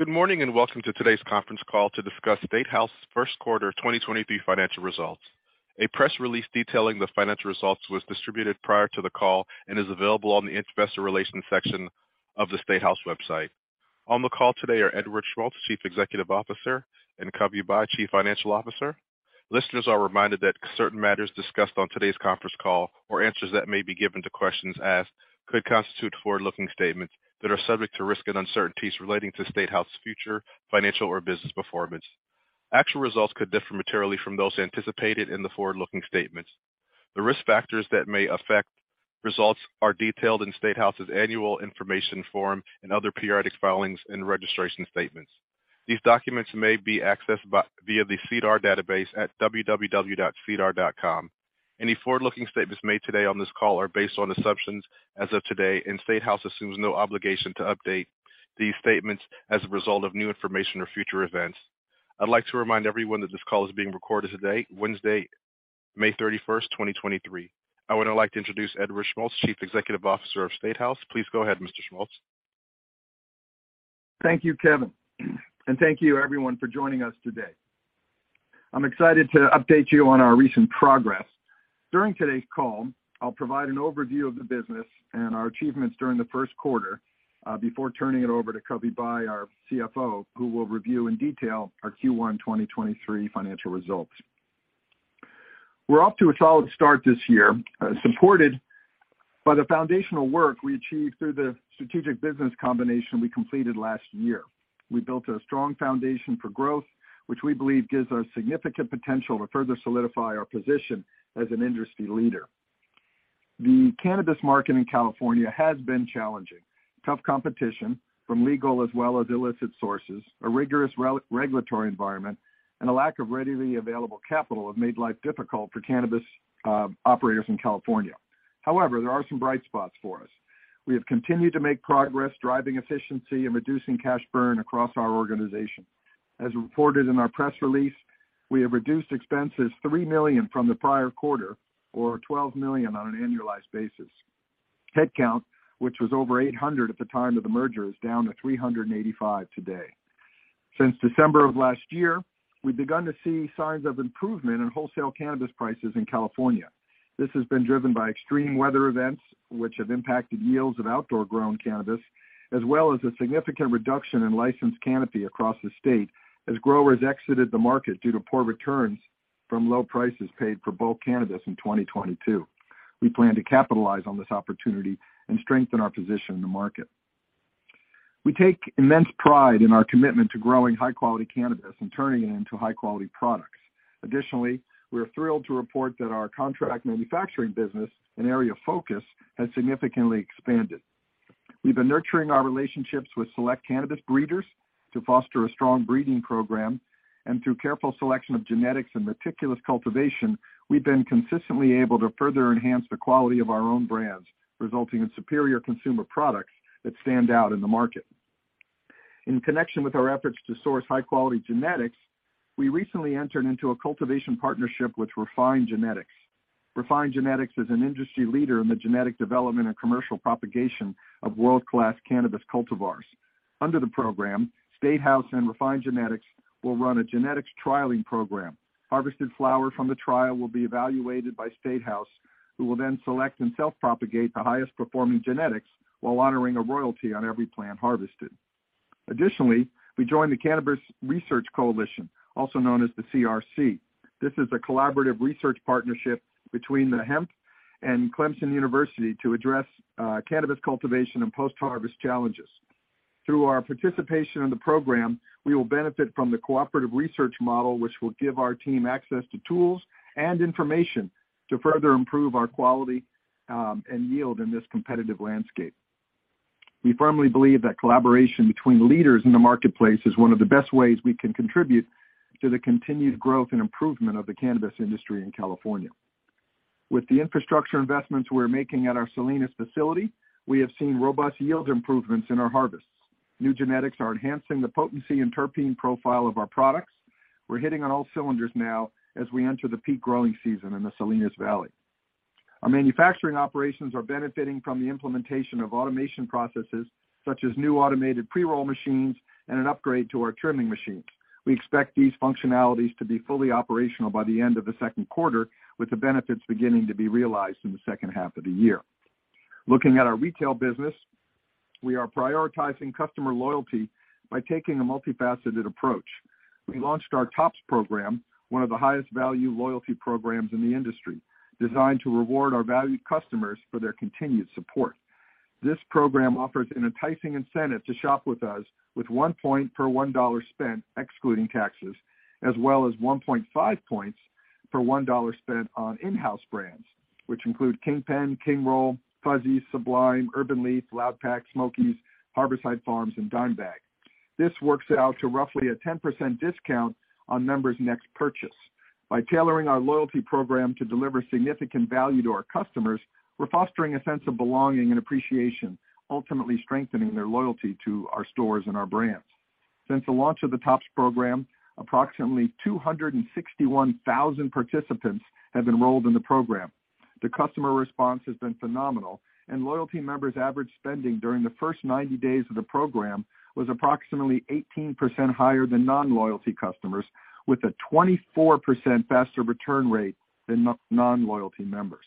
Good morning, welcome to today's conference call to discuss StateHouse first quarter 2023 financial results. A press release detailing the financial results was distributed prior to the call and is available on the investor relations section of the StateHouse website. On the call today are Edward Schmults, Chief Executive Officer, and Kavi Bhai, Chief Financial Officer. Listeners are reminded that certain matters discussed on today's conference call, or answers that may be given to questions asked, could constitute forward-looking statements that are subject to risk and uncertainties relating to StateHouse future, financial, or business performance. Actual results could differ materially from those anticipated in the forward-looking statements. The risk factors that may affect results are detailed in StateHouse's annual information form and other periodic filings and registration statements. These documents may be accessed via the SEDAR database at www.sedar.com. Any forward-looking statements made today on this call are based on assumptions as of today, and StateHouse assumes no obligation to update these statements as a result of new information or future events. I'd like to remind everyone that this call is being recorded today, Wednesday, May 31st, 2023. I would now like to introduce Edward Schmults, Chief Executive Officer of StateHouse. Please go ahead, Mr. Schmults. Thank you, Kavi, and thank you everyone for joining us today. I'm excited to update you on our recent progress. During today's call, I'll provide an overview of the business and our achievements during the first quarter, before turning it over to Kavi Bhai, our CFO, who will review in detail our Q1 2023 financial results. We're off to a solid start this year, supported by the foundational work we achieved through the strategic business combination we completed last year. We built a strong foundation for growth, which we believe gives us significant potential to further solidify our position as an industry leader. The cannabis market in California has been challenging. Tough competition from legal as well as illicit sources, a rigorous regulatory environment, and a lack of readily available capital have made life difficult for cannabis operators in California. However, there are some bright spots for us. We have continued to make progress, driving efficiency and reducing cash burn across our organization. As reported in our press release, we have reduced expenses $3 million from the prior quarter, or $12 million on an annualized basis. Headcount, which was over 800 at the time of the merger, is down to 385 today. Since December of last year, we've begun to see signs of improvement in wholesale cannabis prices in California. This has been driven by extreme weather events, which have impacted yields of outdoor-grown cannabis, as well as a significant reduction in licensed canopy across the state as growers exited the market due to poor returns from low prices paid for bulk cannabis in 2022. We plan to capitalize on this opportunity and strengthen our position in the market. We take immense pride in our commitment to growing high-quality cannabis and turning it into high-quality products. Additionally, we are thrilled to report that our contract manufacturing business, an area of focus, has significantly expanded. We've been nurturing our relationships with select cannabis breeders to foster a strong breeding program, and through careful selection of genetics and meticulous cultivation, we've been consistently able to further enhance the quality of our own brands, resulting in superior consumer products that stand out in the market. In connection with our efforts to source high-quality genetics, we recently entered into a cultivation partnership with Refined Genetics. Refined Genetics is an industry leader in the genetic development and commercial propagation of world-class cannabis cultivars. Under the program, StateHouse and Refined Genetics will run a genetics trialing program. Harvested flower from the trial will be evaluated by StateHouse, who will then select and self-propagate the highest performing genetics while honoring a royalty on every plant harvested. We joined the Cannabis Research Coalition, also known as the CRC. This is a collaborative research partnership between the Hemp and Clemson University to address cannabis cultivation and post-harvest challenges. Through our participation in the program, we will benefit from the cooperative research model, which will give our team access to tools and information to further improve our quality and yield in this competitive landscape. We firmly believe that collaboration between leaders in the marketplace is one of the best ways we can contribute to the continued growth and improvement of the cannabis industry in California. With the infrastructure investments we're making at our Salinas facility, we have seen robust yield improvements in our harvests. New genetics are enhancing the potency and terpene profile of our products. We're hitting on all cylinders now as we enter the peak growing season in the Salinas Valley. Our manufacturing operations are benefiting from the implementation of automation processes, such as new automated pre-roll machines and an upgrade to our trimming machines. We expect these functionalities to be fully operational by the end of the second quarter, with the benefits beginning to be realized in the second half of the year. Looking at our retail business, we are prioritizing customer loyalty by taking a multifaceted approach. We launched our TOPS program, one of the highest value loyalty programs in the industry, designed to reward our valued customers for their continued support. This program offers an enticing incentive to shop with us, with 1 point per $1 spent, excluding taxes, as well as 1.5 points for $1 spent on in-house brands, which include Kingpen, Kingroll, Fuzzies, Sublime, Urbn Leaf, Loudpack, Smokiez, Harborside Farms, and Dime Bag. This works out to roughly a 10% discount on members' next purchase. By tailoring our loyalty program to deliver significant value to our customers, we're fostering a sense of belonging and appreciation, ultimately strengthening their loyalty to our stores and our brands. Since the launch of the TOPS program, approximately 261,000 participants have enrolled in the program. The customer response has been phenomenal, and loyalty members' average spending during the first 90 days of the program was approximately 18% higher than non-loyalty customers, with a 24% faster return rate than non-loyalty members.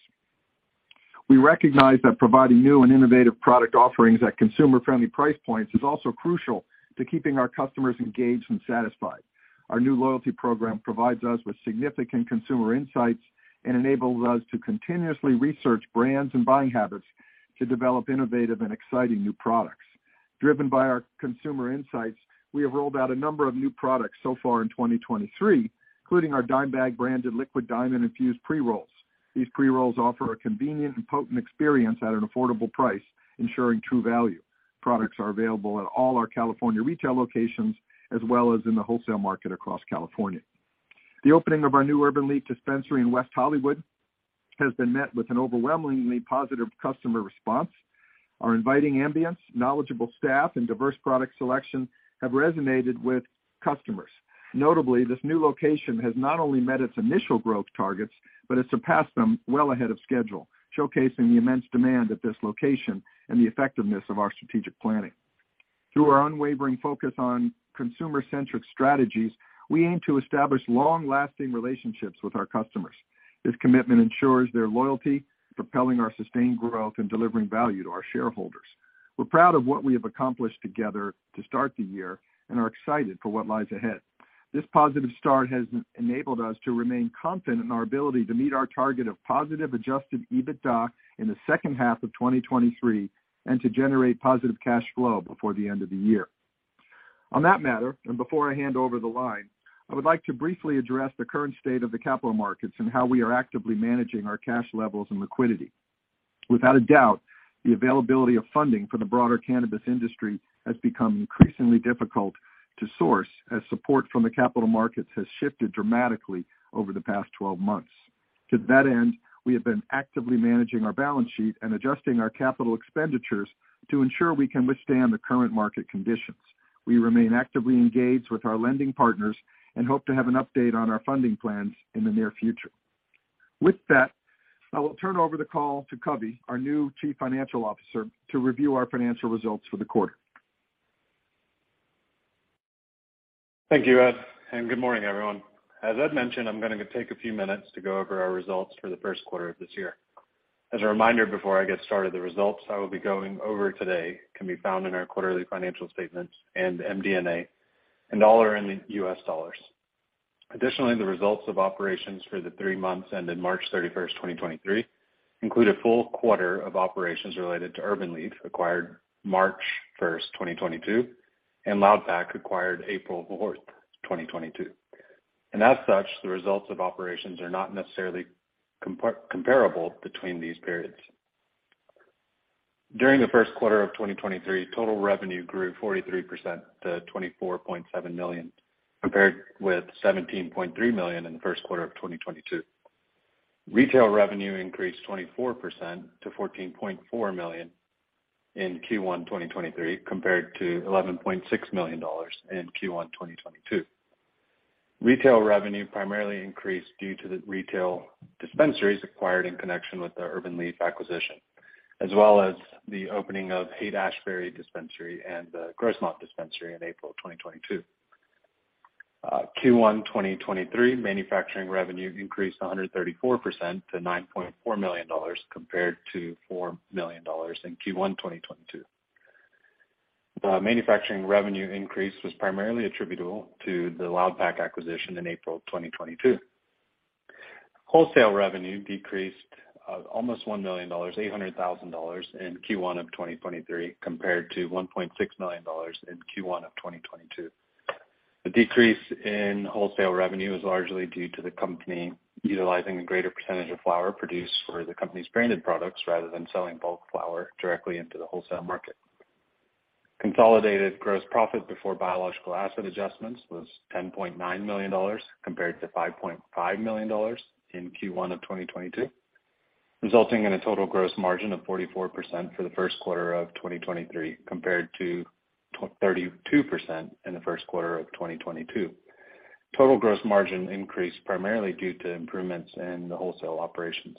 We recognize that providing new and innovative product offerings at consumer-friendly price points is also crucial to keeping our customers engaged and satisfied. Our new loyalty program provides us with significant consumer insights and enables us to continuously research brands and buying habits to develop innovative and exciting new products. Driven by our consumer insights, we have rolled out a number of new products so far in 2023, including our Dime Bag branded Liquid Diamond Infused Pre-Rolls. These pre-rolls offer a convenient and potent experience at an affordable price, ensuring true value. Products are available at all our California retail locations, as well as in the wholesale market across California. The opening of our new Urbn Leaf dispensary in West Hollywood has been met with an overwhelmingly positive customer response. Our inviting ambience, knowledgeable staff, and diverse product selection have resonated with customers. Notably, this new location has not only met its initial growth targets, but has surpassed them well ahead of schedule, showcasing the immense demand at this location and the effectiveness of our strategic planning. Through our unwavering focus on consumer-centric strategies, we aim to establish long-lasting relationships with our customers. This commitment ensures their loyalty, propelling our sustained growth and delivering value to our shareholders. We're proud of what we have accomplished together to start the year and are excited for what lies ahead. This positive start has enabled us to remain confident in our ability to meet our target of positive adjusted EBITDA in the second half of 2023, and to generate positive cash flow before the end of the year. On that matter, and before I hand over the line, I would like to briefly address the current state of the capital markets and how we are actively managing our cash levels and liquidity. Without a doubt, the availability of funding for the broader cannabis industry has become increasingly difficult to source, as support from the capital markets has shifted dramatically over the past 12 months. To that end, we have been actively managing our balance sheet and adjusting our capital expenditures to ensure we can withstand the current market conditions. We remain actively engaged with our lending partners and hope to have an update on our funding plans in the near future. With that, I will turn over the call to Kavi, our new Chief Financial Officer, to review our financial results for the quarter. Thank you, Ed. Good morning, everyone. As Ed mentioned, I'm gonna take a few minutes to go over our results for the 1st quarter of this year. As a reminder, before I get started, the results I will be going over today can be found in our quarterly financial statements and MD&A, and all are in USD. Additionally, the results of operations for the three months ended March 31st, 2023, include a full quarter of operations related to URBN Leaf, acquired March 1st, 2022, and Loudpack, acquired April 4th, 2022. As such, the results of operations are not necessarily comparable between these periods. During the 1st quarter of 2023, total revenue grew 43% to $24.7 million, compared with $17.3 million in the Q1 of 2022. Retail revenue increased 24% to $14.4 million in Q1 2023, compared to $11.6 million in Q1 2022. Retail revenue primarily increased due to the retail dispensaries acquired in connection with the URBN Leaf acquisition, as well as the opening of Haight Ashbury dispensary and the Grossmont dispensary in April of 2022. Q1 2023 manufacturing revenue increased 134% to $9.4 million, compared to $4 million in Q1 2022. The manufacturing revenue increase was primarily attributable to the Loudpack acquisition in April of 2022. Wholesale revenue decreased almost $1 million, $800,000 in Q1 2023, compared to $1.6 million in Q1 2022. The decrease in wholesale revenue is largely due to the company utilizing a greater percentage of flower produced for the company's branded products rather than selling bulk flower directly into the wholesale market. Consolidated gross profit before biological asset adjustments was $10.9 million, compared to $5.5 million in Q1 2022, resulting in a total gross margin of 44% for the first quarter of 2023, compared to 32% in the first quarter of 2022. Total gross margin increased primarily due to improvements in the wholesale operations.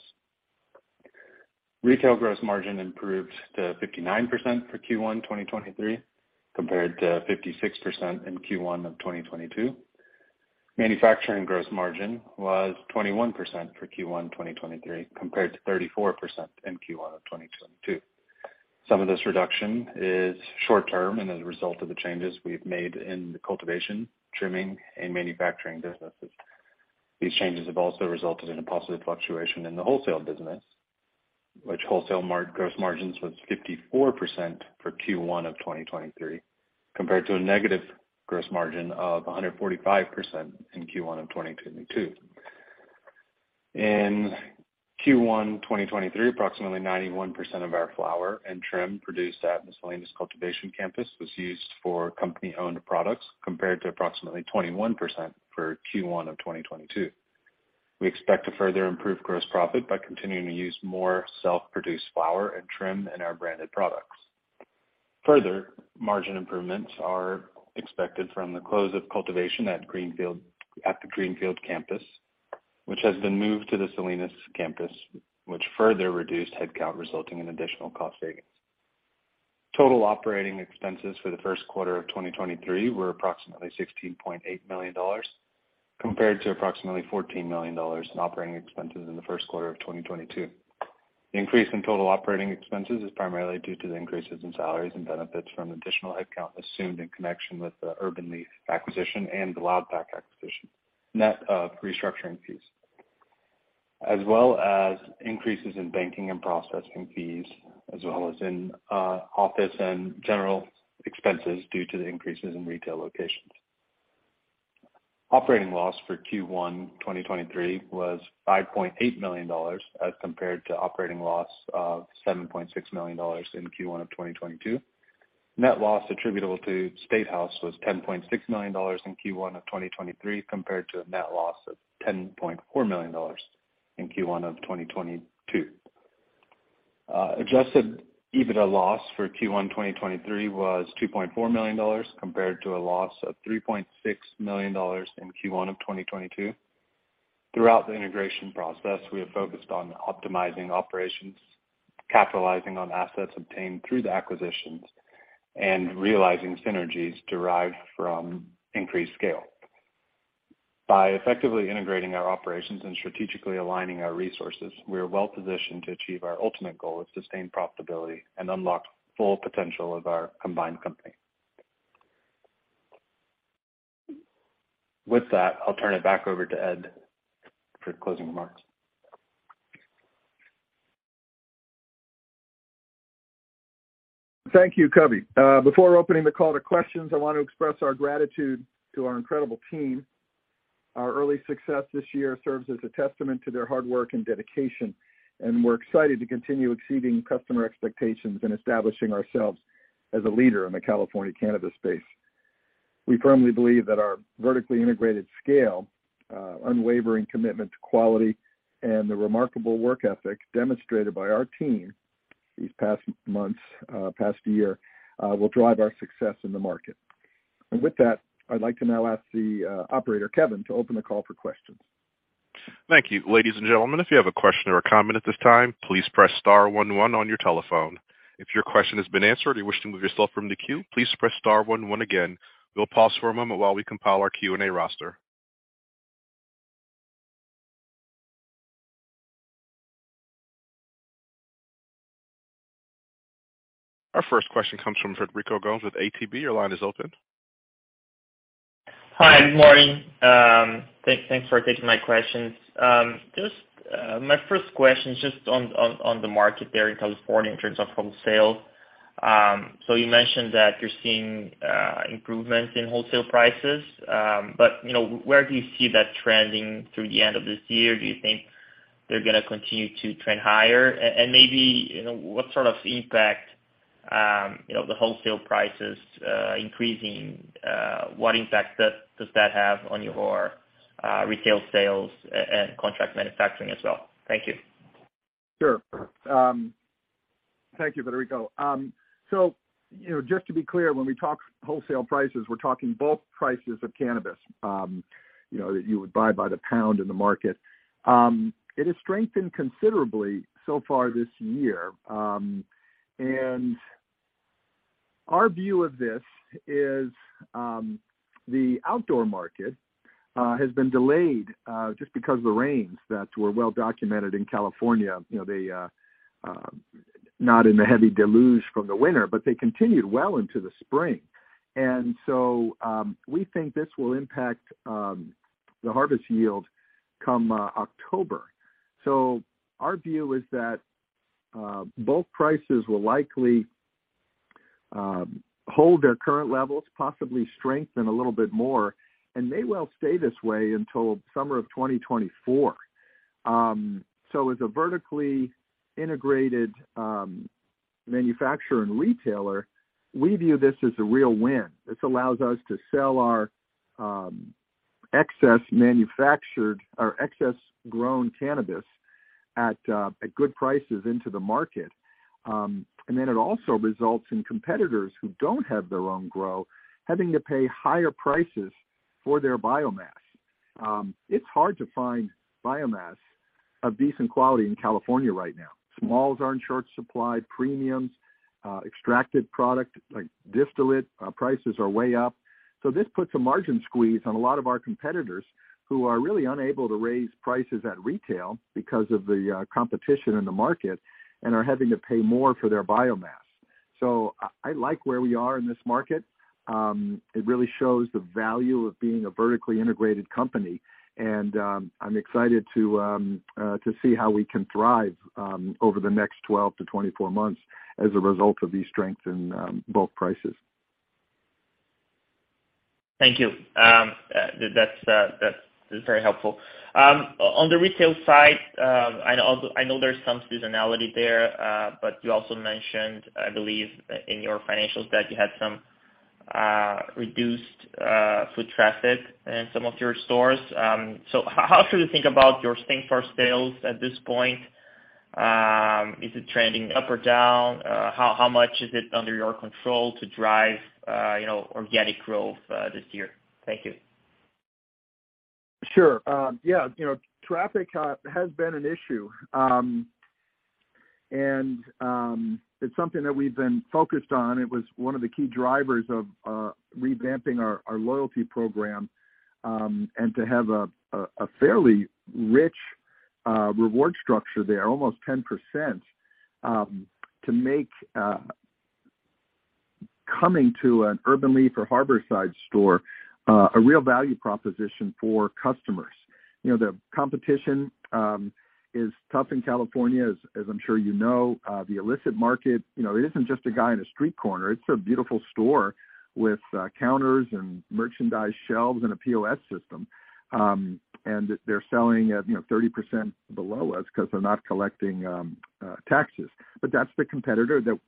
Retail gross margin improved to 59% for Q1 2023, compared to 56% in Q1 2022. Manufacturing gross margin was 21% for Q1 2023, compared to 34% in Q1 2022. Some of this reduction is short-term and as a result of the changes we've made in the cultivation, trimming, and manufacturing businesses. These changes have also resulted in a positive fluctuation in the wholesale business, which wholesale gross margins was 54% for Q1 of 2023, compared to a negative gross margin of 145% in Q1 of 2022. In Q1 2023, approximately 91% of our flower and trim produced at Salinas Production Campus was used for company-owned products, compared to approximately 21% for Q1 of 2022. We expect to further improve gross profit by continuing to use more self-produced flower and trim in our branded products. Further margin improvements are expected from the close of cultivation at the Greenfield campus, which has been moved to the Salinas campus, which further reduced headcount, resulting in additional cost savings. Total operating expenses for the first quarter of 2023 were approximately $16.8 million, compared to approximately $14 million in operating expenses in the Q1 of 2022. The increase in total operating expenses is primarily due to the increases in salaries and benefits from additional headcount assumed in connection with the URBN Leaf acquisition and the Loudpack acquisition, net of restructuring fees, as well as increases in banking and processing fees, as well as in office and general expenses due to the increases in retail locations. Operating loss for Q1 2023 was $5.8 million, as compared to operating loss of $7.6 million in Q1 of 2022. Net loss attributable to StateHouse was $10.6 million in Q1 of 2023, compared to a net loss of $10.4 million in Q1 of 2022. adjusted EBITDA loss for Q1 2023 was $2.4 million, compared to a loss of $3.6 million in Q1 of 2022. Throughout the integration process, we have focused on optimizing operations, capitalizing on assets obtained through the acquisitions, and realizing synergies derived from increased scale. By effectively integrating our operations and strategically aligning our resources, we are well positioned to achieve our ultimate goal of sustained profitability and unlock full potential of our combined company. With that, I'll turn it back over to Ed for closing remarks. Thank you, Kavi. Before opening the call to questions, I want to express our gratitude to our incredible team. Our early success this year serves as a testament to their hard work and dedication, and we're excited to continue exceeding customer expectations and establishing ourselves as a leader in the California cannabis space. We firmly believe that our vertically integrated scale, unwavering commitment to quality, and the remarkable work ethic demonstrated by our team these past months, past year, will drive our success in the market. With that, I'd like to now ask the Operator, Kevin, to open the call for questions. Thank you. Ladies and gentlemen, if you have a question or a comment at this time, please press star one one on your telephone. If your question has been answered, or you wish to move yourself from the queue, please press star one one again. We'll pause for a moment while we compile our Q&A roster. Our first question comes from Frederico Gomes with ATB. Your line is open. Hi, good morning. Thanks for taking my questions. My first question is on the market there in California in terms of wholesale. You mentioned that you're seeing improvements in wholesale prices, but, you know, where do you see that trending through the end of this year? Do you think they're gonna continue to trend higher? Maybe, you know, what sort of impact, you know, the wholesale prices increasing, what impact does that have on your retail sales and contract manufacturing as well? Thank you. Sure. Thank you, Frederico. You know, just to be clear, when we talk wholesale prices, we're talking bulk prices of cannabis, you know, that you would buy by the pound in the market. It has strengthened considerably so far this year. Our view of this is, the outdoor market has been delayed just because of the rains that were well documented in California. You know, they not in the heavy deluge from the winter, but they continued well into the spring. We think this will impact the harvest yield come October. Our view is that both prices will likely hold their current levels, possibly strengthen a little bit more, and may well stay this way until summer of 2024. As a vertically integrated manufacturer and retailer, we view this as a real win. This allows us to sell our excess manufactured or excess grown cannabis at good prices into the market. It also results in competitors who don't have their own grow, having to pay higher prices for their biomass. It's hard to find biomass of decent quality in California right now. Smalls are in short supply, premiums, extracted product like distillate, prices are way up. This puts a margin squeeze on a lot of our competitors, who are really unable to raise prices at retail because of the competition in the market and are having to pay more for their biomass. I like where we are in this market. It really shows the value of being a vertically integrated company, and I'm excited to see how we can thrive over the next 12 to 24 months as a result of these strengths in both prices. Thank you. That's, that's very helpful. On the retail side, I know, I know there's some seasonality there, but you also mentioned, I believe, in your financials, that you had reduced foot traffic in some of your stores. How, how should we think about your same-store sales at this point? Is it trending up or down? How, how much is it under your control to drive, you know, organic growth this year? Thank you. Sure. Yeah, you know, traffic has been an issue. It's something that we've been focused on. It was one of the key drivers of revamping our loyalty program, and to have a fairly rich reward structure there, almost 10%, to make coming to an Urbn Leaf or Harborside store a real value proposition for customers. You know, the competition is tough in California, as I'm sure you know. The illicit market, you know, it isn't just a guy on a street corner. It's a beautiful store with counters and merchandise shelves and a POS system. They're selling at, you know, 30% below us because they're not collecting taxes, but that's the competitor that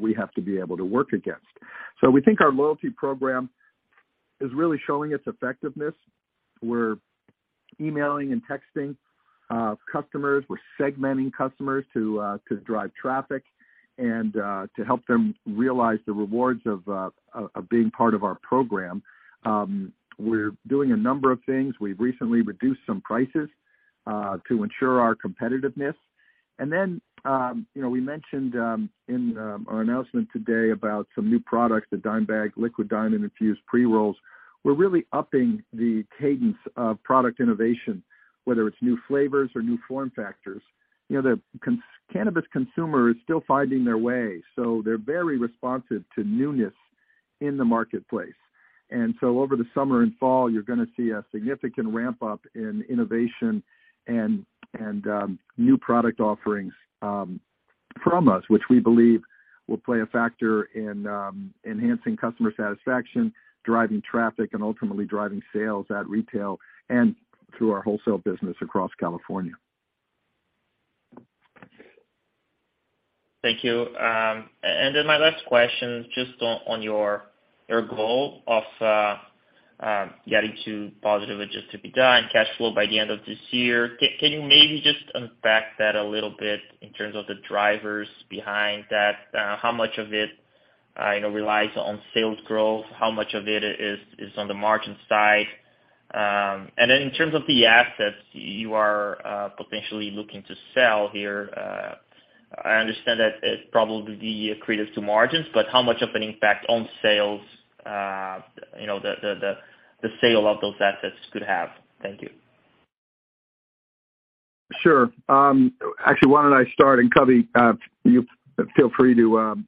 we have to be able to work against. We think our loyalty program is really showing its effectiveness. We're emailing and texting customers. We're segmenting customers to drive traffic and to help them realize the rewards of being part of our program. We're doing a number of things. We've recently reduced some prices to ensure our competitiveness. You know, we mentioned in our announcement today about some new products, the Dime Bag Liquid Diamond Infused Pre-Rolls. We're really upping the cadence of product innovation, whether it's new flavors or new form factors. You know, the cannabis consumer is still finding their way, so they're very responsive to newness in the marketplace. Over the summer and fall, you're gonna see a significant ramp-up in innovation and new product offerings from us, which we believe will play a factor in enhancing customer satisfaction, driving traffic, and ultimately driving sales at retail and through our wholesale business across California. Thank you. My last question, just on your goal of getting to positive adjusted EBITDA and cash flow by the end of this year. Can you maybe just unpack that a little bit in terms of the drivers behind that? How much of it, you know, relies on sales growth? How much of it is on the margin side? In terms of the assets you are potentially looking to sell here, I understand that it probably be accretive to margins, how much of an impact on sales, you know, the sale of those assets could have? Thank you. Sure. Actually, why don't I start, and Kavi, you feel free to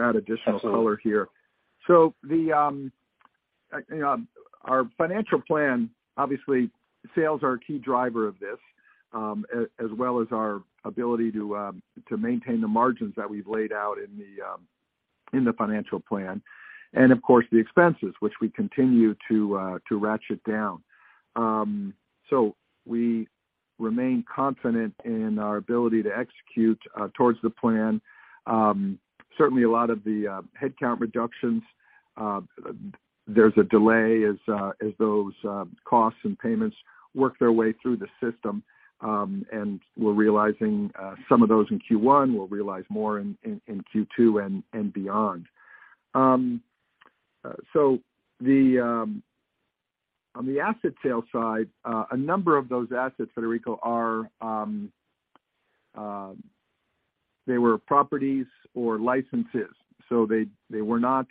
add additional color here. Absolutely. The, you know, our financial plan, obviously, sales are a key driver of this, as well as our ability to maintain the margins that we've laid out in the financial plan, and of course, the expenses, which we continue to ratchet down. We remain confident in our ability to execute towards the plan. Certainly a lot of the headcount reductions, there's a delay as those costs and payments work their way through the system. We're realizing some of those in Q1, we'll realize more in Q2 and beyond. On the asset sale side, a number of those assets, Frederico, are they were properties or licenses, so they were not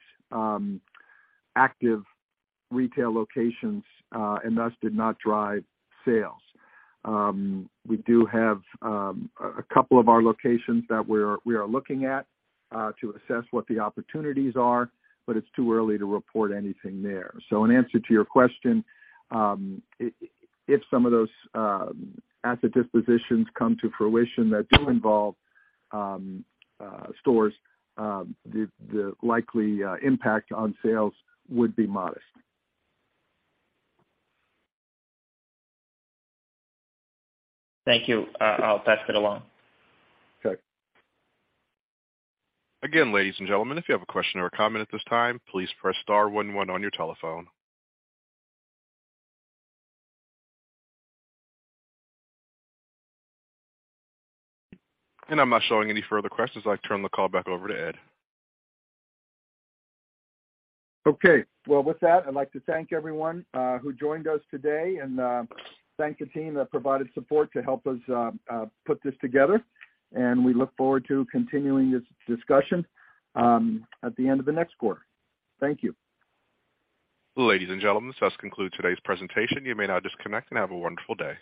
active retail locations and thus did not drive sales. We do have a couple of our locations that we are looking at to assess what the opportunities are, but it's too early to report anything there. In answer to your question, if some of those asset dispositions come to fruition that do involve stores, the likely impact on sales would be modest. Thank you. I'll pass it along. Sure. Ladies and gentlemen, if you have a question or a comment at this time, please press star one one on your telephone. I'm not showing any further questions. I'd like to turn the call back over to Ed. Okay. Well, with that, I'd like to thank everyone who joined us today and thank the team that provided support to help us put this together. We look forward to continuing this discussion at the end of the next quarter. Thank you. Ladies and gentlemen, this does conclude today's presentation. You may now disconnect and have a wonderful day.